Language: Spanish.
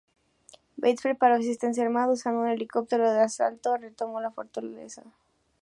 Bates preparó asistencia armada y usando un helicóptero de asalto retomó la fortaleza.